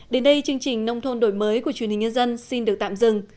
đến đây chương trình nông thôn đổi mới của truyền hình nhân dân xin được tạm dừng